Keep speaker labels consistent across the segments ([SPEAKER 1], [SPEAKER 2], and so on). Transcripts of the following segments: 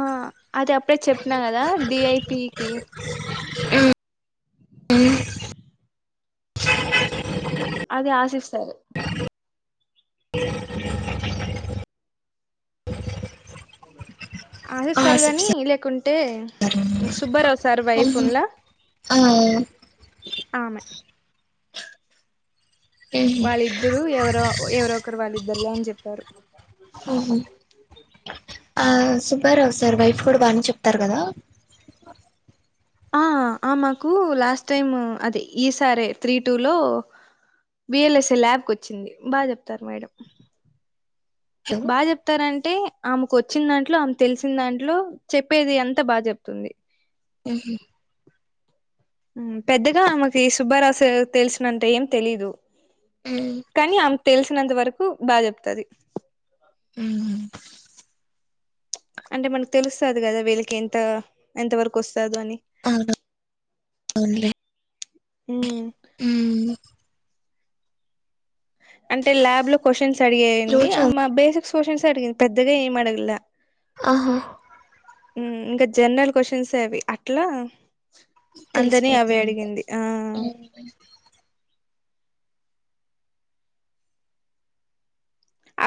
[SPEAKER 1] ఆ అది అప్పుడే చెప్పినా కదా డి ఐ పి కి
[SPEAKER 2] ఉమ్
[SPEAKER 1] అది ఆశిస్తారు
[SPEAKER 2] అ
[SPEAKER 1] అ ఆశిష్ సార్ గానీ లేకుంటే సుబ్బారావు సార్ వైఫ్ ఉన్లా
[SPEAKER 2] ఆ
[SPEAKER 1] ఆమె వాళ్ళిద్దురూ ఎవరో ఎవరో ఒకరు వాళ్ళిద్దరులో అని చెప్పారు
[SPEAKER 2] ఊహూ ఆ సు బ్బారావ్ సార్ వైఫ్ కూడా బానే చెప్తారు కదా
[SPEAKER 1] ఆ ఆమాకు లాస్ట్ టైమ్ అదే ఈ సారే త్రీ టూ లో బిఎల్ఎస్ఏ ల్యాబ్ కు వచ్చింది బాగా చెప్తారు మేడం.
[SPEAKER 2] హలో
[SPEAKER 1] బా చెప్తారంటే. ఆమెకు వచ్చిన దాంట్లో ఆమెక్ తెలిసిన దాంట్లో చెప్పేది అంత బాగా చెప్తుంది.
[SPEAKER 2] హ్మ్.
[SPEAKER 1] పెద్దగా ఆమెకి శుబ్భారావు సర్ తెలిసినంటే ఏం తెలీదు.
[SPEAKER 2] మ్మ్.
[SPEAKER 1] కానీ ఆమెకు తెలిసినంత వరకు బాగా చెప్తది.
[SPEAKER 2] అ
[SPEAKER 1] అంటే మనకు తెలుస్తది కదా వీళ్ళకి ఎంత ఎంత వరకు వస్తు‌. వస్తదని.
[SPEAKER 2] అవును, హుమ్.
[SPEAKER 1] అంటే ల్యాబ్ లో క్వషన్స్ అడిగెయండి
[SPEAKER 2] రోజు
[SPEAKER 1] అమ బేసిక్. సూషన్స్ అడిగింది పెద్దగా ఏమి అడగల.
[SPEAKER 2] ఆహా.
[SPEAKER 1] ఇంకా జనరల్ క్వశ్చన్సే అవి అట్లా. అందరిని అవె
[SPEAKER 2] తెలిసిపోతుందంట
[SPEAKER 1] అడిగింది ఆ.
[SPEAKER 2] మ్మ్.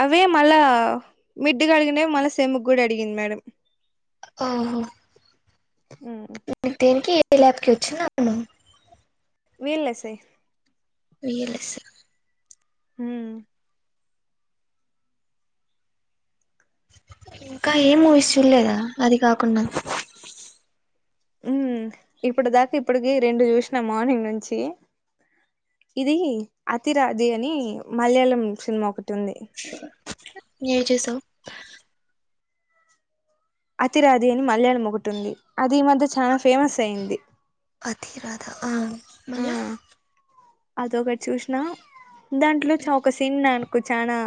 [SPEAKER 1] అవి మళ్ళా మిడ్డు గాడిగినవి మళ్ళా సెమ్ముకు కూడా అడిగింది మేడం.
[SPEAKER 2] ఓహో.
[SPEAKER 1] హ్మ్.
[SPEAKER 2] దీనికి ఏ ల్యాబ్కి వచ్చిన అతను.
[SPEAKER 1] వీళ్లేస్య.
[SPEAKER 2] వీళ్ళుసి.
[SPEAKER 1] హ్మ్.
[SPEAKER 2] ఇంకా ఏమ మూవీస్ చూడలేదా అది కాకుండా.
[SPEAKER 1] ఉమ్ ఇప్పుడు దాకా ఇప్పటికి రెండు చూసిన మార్నింగ్ నుంచి. ఇది అతిరాజీ అని మలయాళం సినిమా ఒకటి ఉంది.
[SPEAKER 2] ఏం చూసావ్.
[SPEAKER 1] అతిరాది అని మల్యాణం మొగుటింది అది ఈమధ్య చాలా ఫేమస్ అయింది.
[SPEAKER 2] దిరాదా ఆ
[SPEAKER 1] ఆ
[SPEAKER 2] మళ్ళ.
[SPEAKER 1] అదొకటి చూసినా దాంట్లో చౌవుక ఒక సిన్ నాను. చాలా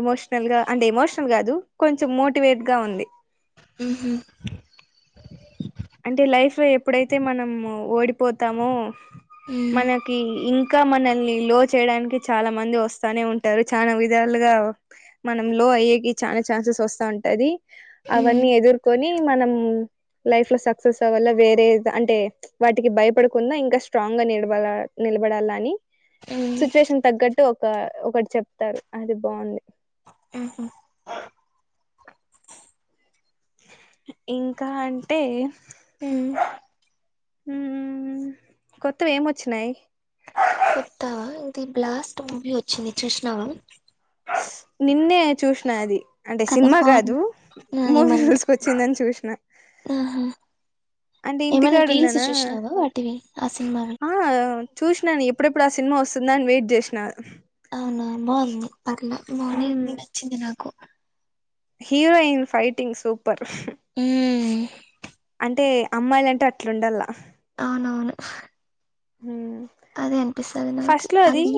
[SPEAKER 1] ఎమోషనల్ గా అంటే ఎమోషనల్ కాదు కొంచెం మోటివేట్ గా ఉంది.
[SPEAKER 2] ఉహు.
[SPEAKER 1] అంటే లైఫ్ ఎప్పుడైతే మనం ఓడిపోతామో
[SPEAKER 2] మ్మ్.
[SPEAKER 1] మనకి ఇం. ఇంకా మనల్ని లో చేయడానికి చాలా మంది వస్తానే ఉంటారు చాలా విధాలుగా మనం లో. అయ్యేకి చాలా ఛాన్సెస్ వస్తా ఉంటది.
[SPEAKER 2] మ్మ్.
[SPEAKER 1] అవన్నీ ఎదుర్కొని మనం. లైఫ్ లో సక్సెస్ అవ్వల్ల వేరే అంటే వాటికి భయపడకుండ ఇంకా స్ట్రాంగ్ గా నిలబ నిలబడాల. అని
[SPEAKER 2] మ్మ్.
[SPEAKER 1] సిచ్యువేషన్ తగ్గట్టు ఒక ఒకటి చెప్తాడు అది బాగుంది.
[SPEAKER 2] ఉహు.
[SPEAKER 1] ఇంకా అంటే.
[SPEAKER 2] ఉమ్.
[SPEAKER 1] ఉమ్ కొత్తవి ఏమొచ్చినాయి.
[SPEAKER 2] వాస్తవ ఇది బ్లాస్ట్ మూవీ వచ్చింది చూసినవా.
[SPEAKER 1] నిన్నే చూసిన అది. అంటే
[SPEAKER 2] కథ
[SPEAKER 1] సినిమా
[SPEAKER 2] బాగుంది
[SPEAKER 1] కాదు మూవీ
[SPEAKER 2] ఏమన్నా
[SPEAKER 1] రులీజ్స్ కి వచ్చిందని చూసిన.
[SPEAKER 2] ఆహా
[SPEAKER 1] అంటే
[SPEAKER 2] ఏమైనా రీల్స్
[SPEAKER 1] ఇంటికాడున్నానా
[SPEAKER 2] చూసినావా వాటివి ఆ సినిమావి
[SPEAKER 1] ఆ. చూసినాను ఎప్పుడెప్పుడు ఆ సినిమా వస్తుందా అని వెయిట్ చేసిన.
[SPEAKER 2] అవునవును బావుంది పర్లే బానే
[SPEAKER 1] మ్మ్
[SPEAKER 2] ఉంది నచ్చింది నాకు
[SPEAKER 1] హీరోయిన్ ఫైటింగ్ సూపర్
[SPEAKER 2] ఊ
[SPEAKER 1] టే అమ్మాయిలంటే అట్లుండాల
[SPEAKER 2] అవునవును అదే అనిపిస్తది నాకి
[SPEAKER 1] ఫస్ట్ లోది
[SPEAKER 2] అది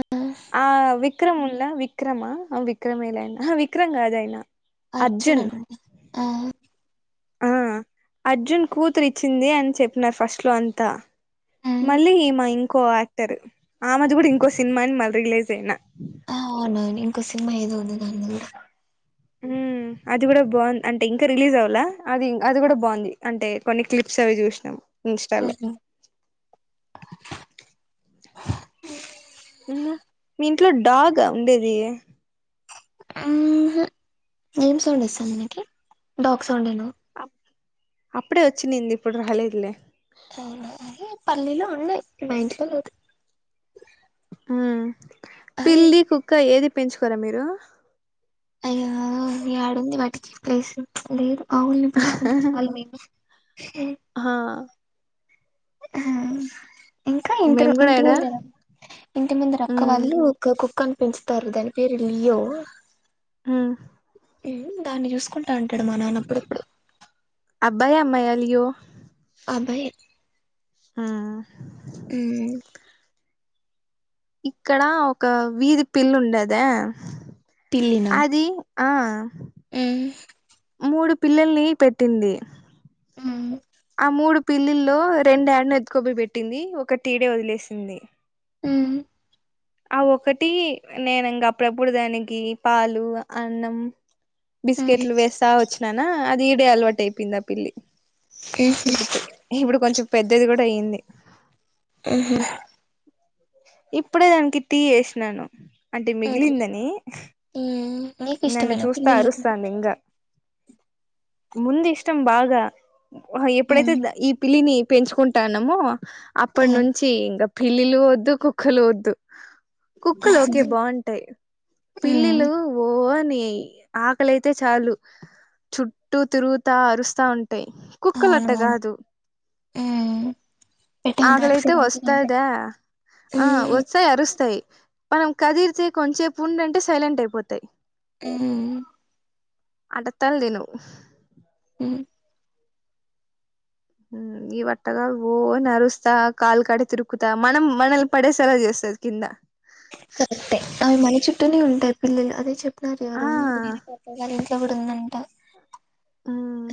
[SPEAKER 2] ఆ,
[SPEAKER 1] ఆ వి క్రమ్ ఉండ్లా విక్రమ్ ఆ ఔ విక్రమ్ యే లే ఆహా విక్రమ్ కాదు ఆయన
[SPEAKER 2] అర్జున్ అనుకుంటా ఆ
[SPEAKER 1] ఆ అర్జున్ కూతురు ఇచ్చింది అని చెప్పినారు ఫస్ట్ లో అంతా
[SPEAKER 2] ఉమ్,
[SPEAKER 1] మళ్ళీ ఈమ ఇంకో యాక్టర్ ఆమెది కూడా ఇంకో సినిమా అని మళ్ళ రియలైస్ అయినా
[SPEAKER 2] ఆ అవునవును ఇంకో సినిమా ఏదో ఉంది దానిది కూడా
[SPEAKER 1] ఊ ఉమ్ అది కూడా బావున్ అంటే ఇంకా రిలీజ్ అవ్వలా అది అది కూడా బావుంది అంటే కొన్ని క్లిప్స్ అవి చూసినాం ఇన్స్టా లో
[SPEAKER 2] ఉహు
[SPEAKER 1] మీ ఇంట్లో డాగ్ ఆ ఉండేది
[SPEAKER 2] ఉమ్ హూ ఏం సౌండ్ వస్తాంది నీకి డాక్ సౌండ్ ఏ నా
[SPEAKER 1] అప్పుడే వచ్చినింది ఇప్పుడు రాలేదులే
[SPEAKER 2] ఔనా అదే పల్లీలో ఉన్నాయి మా ఇంట్లో లేదు
[SPEAKER 1] ఊ
[SPEAKER 2] అయి
[SPEAKER 1] పిల్లి కుక్క ఏదీ పెంచుకోరా మీరు
[SPEAKER 2] అయ్యో యాడుంది వాటికి ప్లేసు లేదు ఆవుల్ని పెంచుకుంటే చాలు మేము
[SPEAKER 1] హా
[SPEAKER 2] [unintelligible] ఇంకా ఇంటరు
[SPEAKER 1] మేము కూడా
[SPEAKER 2] ఇటి
[SPEAKER 1] ఎడా
[SPEAKER 2] ముందేనా ఇంటి ముందర అక్క
[SPEAKER 1] ఉమ్
[SPEAKER 2] వాళ్ళు ఒక కుక్కని పెంచుతారు దాని పేరు లియో
[SPEAKER 1] ఉమ్
[SPEAKER 2] ఉమ్ దాన్ని చూస్ కుంటాంటాడు మా నాయన అప్పుడప్పుడు
[SPEAKER 1] మయా లియో
[SPEAKER 2] అభయ్
[SPEAKER 1] ఆహ్
[SPEAKER 2] ఊ
[SPEAKER 1] ఇక్కడ ఒక వీధి పిల్లి ఉండేదా
[SPEAKER 2] పిల్లినా
[SPEAKER 1] అది ఆ
[SPEAKER 2] మ్మ్
[SPEAKER 1] మూడు పిల్లల్ని పెట్టింది
[SPEAKER 2] ఉమ్
[SPEAKER 1] ఆ మూడు పిల్లిల్లో రెండు యాడనో ఎత్తుకోబోయి పెట్టింది ఒకటి ఈడే వదిలేసింది
[SPEAKER 2] ఊ
[SPEAKER 1] ఆ ఒకటి నేను ఇంక అప్పుడప్పుడు దానికి పాలు అన్నం
[SPEAKER 2] మ్మ్
[SPEAKER 1] బిస్కెట్లు వేస్తా వచ్చినానా అది ఈడే అలవాటు అయిపోయింది ఆ పిల్లి ఇప్పుడు ఇప్పుడు కొంచెం పెద్దది కూడా అయ్యింది
[SPEAKER 2] ఊహూ
[SPEAKER 1] ఇప్పుడే దానికి టీ ఏసినాను అంటే మిగిలిందని
[SPEAKER 2] నీకు
[SPEAKER 1] నన్ను
[SPEAKER 2] ఇష్టమేనా
[SPEAKER 1] చూస్తా
[SPEAKER 2] పిల్లులు
[SPEAKER 1] అరుస్తాంది ఇంగా ముందు ఇష్టం బాగా ఆహా ఎప్పుడైతే
[SPEAKER 2] మ్మ్
[SPEAKER 1] ఈ పిల్లిని పెంచుకుంటా ఉన్నాము అప్పటి నుంచి ఇంకా పిల్లిలూ వద్దు కుక్కలూ వద్దు కుక్కలు ఒకే బాగుంటాయి పిల్లిలు పో అని ఆకలి అయితే చాలు చుట్టూ తిరుగుతా అరుస్తా ఉంటా ట్టాయి కుక్కలు అట్టా కాదు
[SPEAKER 2] ఆమ్
[SPEAKER 1] ఆకలైతే వస్తతాదా ఆ వత్సాయి అరుస్తాయి మనం కదిరితే కొంచసేపు ఉండంటే సైలెంట్ అయిపోతాయి
[SPEAKER 2] ఆమ్
[SPEAKER 1] అటా తల్ తిన్నావ్
[SPEAKER 2] అమ్
[SPEAKER 1] ఉమ్ ఈ వట్ట కాదు ఓ అరుస్తా కాలు కడ తిరుకుతా మనం మనల్ని పడేసేలా చేస్తా కింద
[SPEAKER 2] కరెక్టే ఎ అవి మన చుట్టూనే ఉంటాయి పిల్లలు అదే చెప్తున్నారు
[SPEAKER 1] ఆ
[SPEAKER 2] ఎవరు ఎవరన్నా వింట
[SPEAKER 1] ఉమ్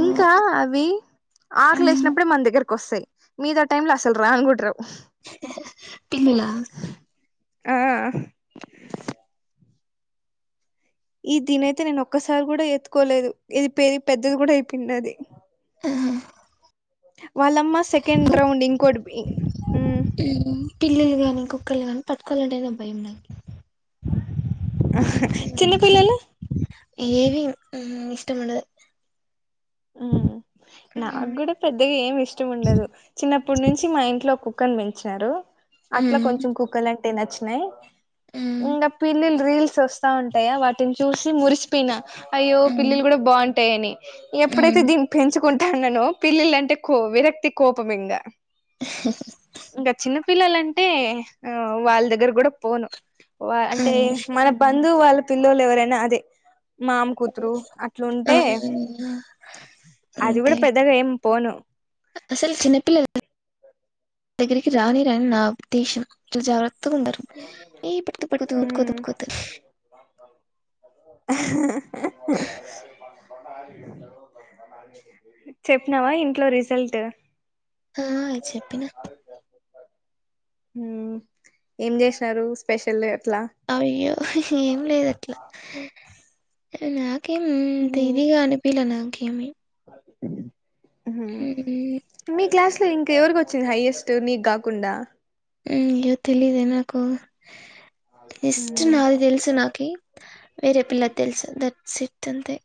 [SPEAKER 1] ఇంకా అవి ఆకలి
[SPEAKER 2] మ్
[SPEAKER 1] వేసినప్పుడు ఏ మన దగ్గర వస్తాయి మీది ఆ టైమ్ లో అసలు రాను కూడ రావు
[SPEAKER 2] పిల్లులా
[SPEAKER 1] ఆ
[SPEAKER 2] ఉమ్ ఇంక
[SPEAKER 1] ఈ దీనియితే నేను ఒక్కసారి కూడా ఎత్తుకోలేదు ఇది పేరు పెద్దది కూడా అయిపోయింది అది
[SPEAKER 2] ఆహా
[SPEAKER 1] వాళ్ళమ్మ సెకెండ్ రౌండ్ ఇంకోటి పోయి
[SPEAKER 2] ఉమ్ పిల్లులు గాని కుక్కలు గాని పట్టుకోవాలంటేనే భయం నాకు
[SPEAKER 1] చిన్న పిల్లలు
[SPEAKER 2] ఆహా ఇష్టం ఉండదు
[SPEAKER 1] ఉమ్ నాకు
[SPEAKER 2] మ్
[SPEAKER 1] కూడా పెద్దగా ఏమి ఇష్టం ఉండదు చిన్నప్పటి నుంచి మా ఇంట్లో ఒక కుక్క ని పెంచినారు అట్లా
[SPEAKER 2] మ్
[SPEAKER 1] కొంచెం కుక్కలు అంటే నచ్చినయి ఇంకా పిల్లు రీల్స్ వస్తా ఉంటాయా వాటిని చూసి మురిసిపోయిన అయ్యో
[SPEAKER 2] మ్
[SPEAKER 1] పిల్లులు కూడా బాగుంటాయని ఎప్పుడైతే
[SPEAKER 2] మ్
[SPEAKER 1] దీని పెంచుకుంటాన్ననో పిల్లులు అంటే కో విరక్తి కోపం ఇంగా ఇంకా చిన్న పిల్లలంటే ఆ వాళ్ళ దగ్గర కూడా పోను వా అంటే
[SPEAKER 2] మ్
[SPEAKER 1] మన బంధువు వాళ్ళ పిల్లలు ఎవరైనా అదే మామ కూతురు
[SPEAKER 2] ఆ
[SPEAKER 1] అట్లుంటే అది కూడా
[SPEAKER 2] అంతేలే
[SPEAKER 1] పెద్దగా ఏం పోను
[SPEAKER 2] నా దగ్గరికి రానిరని నా ఉద్దేశం జాగ్రత్త త్తగ ఉండారు ఎ పట్టుకో పడిపోతావు
[SPEAKER 1] మ్మ్
[SPEAKER 2] తట్టుకో తట్టుకో
[SPEAKER 1] చెప్పినవా ఇంట్లో రిజల్ట్
[SPEAKER 2] అ చెప్పిన
[SPEAKER 1] హుమ్ ఏం చేసినారు స్పెషల్ అట్లా
[SPEAKER 2] అయ్యో ఏం లేదు అట్లా నా కేం అంత ఇదిగా అనిపిల నాకేమి
[SPEAKER 1] హుమ్
[SPEAKER 2] హ్మ్ హ్మ్.
[SPEAKER 1] మీ క్లాస్ లో ఇం ఇంకా ఎవరికి వచ్చింది హైయెస్ట్ నీకు కాకుండా
[SPEAKER 2] హుమ్ తెలిదే నాకు ఫస్ట్
[SPEAKER 1] మ్మ్
[SPEAKER 2] నాది తెలుసు నాకి వేరే పిల్లది తెలుసు దట్స్ ఇట్ తంతే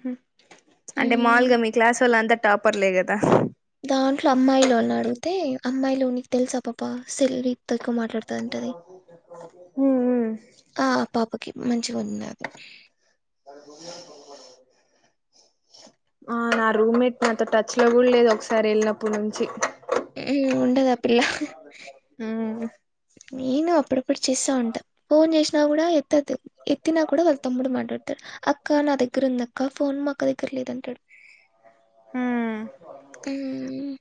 [SPEAKER 1] హ అంటే
[SPEAKER 2] హ్మ్
[SPEAKER 1] మాములుగా మీ క్లాస్ వాల్ల అంతా టాపర్లే కదా
[SPEAKER 2] దాంట్లో అమ్మాయిలోని అడిగితే అమ్మాయిలు నీకు తెలుసా పాప సెల్వ ఊకే మాట్లాడుతుంటది
[SPEAKER 1] ఉమ్
[SPEAKER 2] ఆ ఆ పాప కి మంచిగా ఉంది
[SPEAKER 1] స ద ఆ నా రూమ్మేట్ నాతో టచ్ లో కూడా లేదు ఒకసారి ఎళ్ళినప్పుడు నుంచి
[SPEAKER 2] ఉండదా పిల్ల
[SPEAKER 1] ఉమ్
[SPEAKER 2] నేను అప్పుడు ఇప్పుడు చేస్తా ఉంటాం ఫోన్ చేసినా కూడా ఎత్తద్దు ఎత్తినా కూడా వాళ్ళు తమ్ముడు మాట్లాడు అక్క నా దగ్గర ఉందక్క ఫోన్ మాక్క దగ్గర లేదంటాడు
[SPEAKER 1] ఉమ్
[SPEAKER 2] ఉహు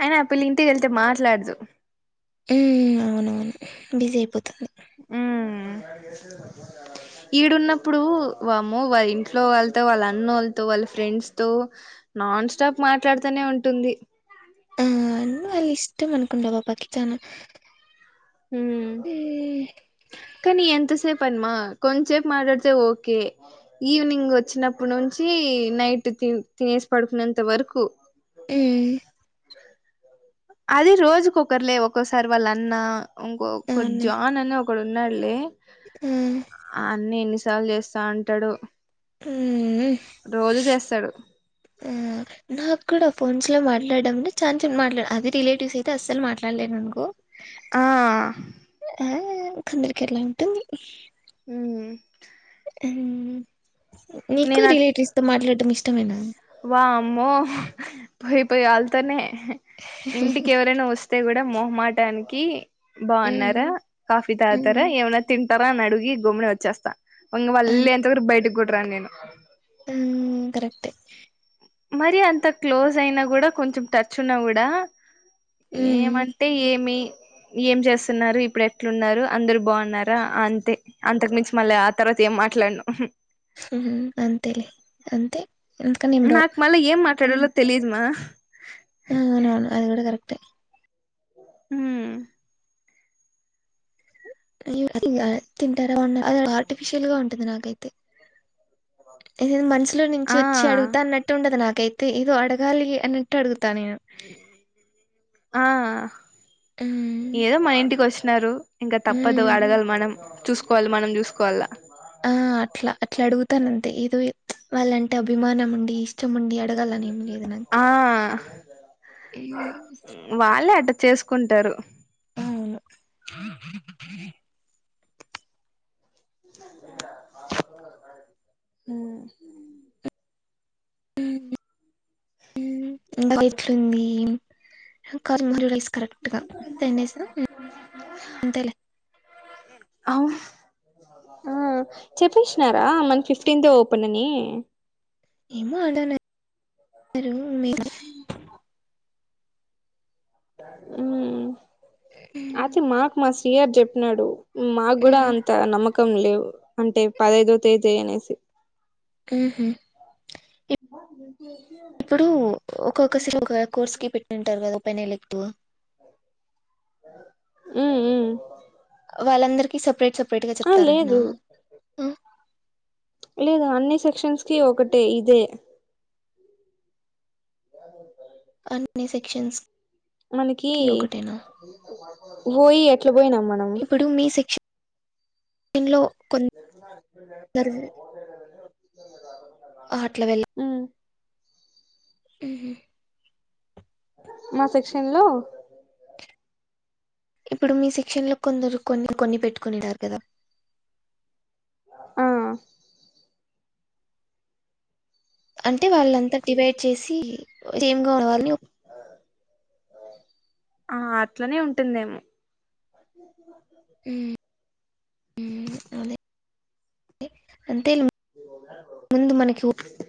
[SPEAKER 1] అయినా ఆ పిల్ల ఇంటికి వెళ్తే మాట్లాడదు
[SPEAKER 2] ఉ అవునవును బిజీ అయిపోతుంది
[SPEAKER 1] ఉమ్ ఈడున్నప్పుడు వామ్మో వాళ్ళ ఇంట్లో వాళ్ళతో వాళ్ళ అన్నోళ్ళతో వాళ్ళ ఫ్రెండ్స్ తో నాన్ స్టాప్ మాట్లాడుతూనే ఉంటుంది
[SPEAKER 2] ఆ అన్నయ్య బళ ఇష్టం అనుకుంట ఆ పాప కి చానా
[SPEAKER 1] ఉమ్
[SPEAKER 2] హ్మ్.
[SPEAKER 1] కానీ ఎంత సేపు పని మా కొంచేపు మాట్లాడితే ఓకే ఈవినింగ్ వచ్చినప్పుడు నుంచి నైట్ తి తినేసి పడుకునెంత వరకు
[SPEAKER 2] ఊ
[SPEAKER 1] అద రోజుకొకరులే ఒక్కొసారి వాళ్ళ అన్న ఇంకొక
[SPEAKER 2] అవును.
[SPEAKER 1] జాన్ అని ఒక ఒక్కడు ఉన్నాళ్లే
[SPEAKER 2] ఆ!
[SPEAKER 1] ఆ అన్న ఎన్నిసార్లు చేస్తా అంటాడు
[SPEAKER 2] ఊ
[SPEAKER 1] రోజు చేస్తాడు
[SPEAKER 2] ఊ నాక్కూడా ఫోన్స్ లో మాట్లాడడం అంటే చానా సేపూ మాట్లాడ అదే రిలేటివ్స్ అయితే అస్సలు మాట్లాడలేనునుకో
[SPEAKER 1] ఆ
[SPEAKER 2] ఆ కందులికరలా ఉంటుంది
[SPEAKER 1] ఉ
[SPEAKER 2] నీకు
[SPEAKER 1] నేను అట్
[SPEAKER 2] రిలేటివ్స్ తో మాట్లాడటం ఇష్టమేనా
[SPEAKER 1] పోయిపోయి వాళ్ళతోనే ఇంటికి ఎవరైనా వస్తే కూడా మొహమాటానికి బాగున్నారా
[SPEAKER 2] హ్మ్.
[SPEAKER 1] కాఫీ తాతారా
[SPEAKER 2] హ్మ్.
[SPEAKER 1] ఏమై తింటారా అని అడుగి గమ్ముడి వచ్చేస్తా వంగ వళ్ళీ ఎంత వరకు బయటికి కుడ్రా నేను
[SPEAKER 2] అ కరెక్టె
[SPEAKER 1] మరి అంత క్లోజ్ అయినా కూడా కొంచెం టచ్ ఉన్నా కూడా
[SPEAKER 2] హ్మ్.
[SPEAKER 1] ఏమంటే ఏమి ఏం చేస్తున్నారు ఇప్పుడు ఎట్లున్నారు అందరు బాగున్నారా అంతే అంతకు మించి మళ్ళీ ఆ తర్వాత ఏం మాట్లాడను
[SPEAKER 2] అంతేలే అంతే అందుకని ఏం రావు.
[SPEAKER 1] నాకు మళ్ళా ఏం మాట్లాడాలో తెలియదుమా
[SPEAKER 2] అవునవును. [inaudible]
[SPEAKER 1] ఉమ్
[SPEAKER 2] తింటారా ఆర్టిఫిషిల్గా ఉంట నాకైతే మనసులో నుంచి
[SPEAKER 1] ఆ
[SPEAKER 2] వచ్చి అడుగుతా అన్నట్టు ఉండదు నాకు నాకైతే ఇగో అడగాలి అన్నట్టు అడుగుతా నేను
[SPEAKER 1] ఆ
[SPEAKER 2] ఉమ్,
[SPEAKER 1] ఏదో మా ఇంటికి వచ్చినారు ఇంకా తప్పదు
[SPEAKER 2] ఉమ్,
[SPEAKER 1] అడగలి మనం చూసుకోవాలి మనం చూసుకోవాలా
[SPEAKER 2] ఆ అట్లా అట్లా అడుగుతాను అంతే ఏదో వాళ్ళంటే అభిమానం ఉండి ఇష్
[SPEAKER 1] ఆ వాళ్ళే అట్ట చేసుకుంటారు
[SPEAKER 2] [inaudible]
[SPEAKER 1] ఊ
[SPEAKER 2] ఇంతకూ ఎట్లుంది [unintelligible] రైస్ కరెక్ట్గా టెన్ డేస్ ఆ అంతేలే
[SPEAKER 1] ఔన్ ఆ చెప్పేషినారా మనకు ఫిఫ్టీన్త్ యే ఓపెన్ అని
[SPEAKER 2] ఏమో [unintelligible]
[SPEAKER 1] ఊ
[SPEAKER 2] ఉమ్,
[SPEAKER 1] ఆతే మాకు మా సీ ఆర్ చెప్పినాడు మాకు కూడా
[SPEAKER 2] ఉమ్,
[SPEAKER 1] అంత నమ్మకం లేవు అంటే పదైదో తేదే అనేసి
[SPEAKER 2] ఉహు.
[SPEAKER 1] బడి
[SPEAKER 2] ఇప్పుడు ఒక్కొక్క [unintelligible] ఒక కోర్స్ కి పెట్టింటారు కదా [unintelligible]
[SPEAKER 1] ఊ ఊ
[SPEAKER 2] వాళ్ళందరికీ సపరేట్ సపరేట్ గా చెప్తారంటనా
[SPEAKER 1] లేదు
[SPEAKER 2] ఊ
[SPEAKER 1] లేదు అన్నీ సెక్షన్స్ కీ ఒకటే ఇదే
[SPEAKER 2] అన్నీ సెక్షన్స్
[SPEAKER 1] మనికి
[SPEAKER 2] కి ఒకటేనా
[SPEAKER 1] ఓ ఈ ఎట్లా పోయినాం మనం
[SPEAKER 2] లైన్ లో కొందరు
[SPEAKER 1] పో
[SPEAKER 2] ఆహా అట్ల వెళ్
[SPEAKER 1] మా సెక్షన్ లో
[SPEAKER 2] ఇప్పుడు మీ సెక్షన్ లో కొందరు కొన్ని కొన్ని పెట్టుకొనింటారు కదా
[SPEAKER 1] ఆ
[SPEAKER 2] అంటే వాళ్ళంతా డివైడ్ చేసి సేమ్ గా ఉన్న వాళ్ళని
[SPEAKER 1] ఆ అట్లనే ఉంటుందేమో
[SPEAKER 2] ఊ ఊ అదే దే అంతే ముందు మనకి